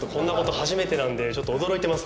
初めてなんでちょっと驚いてます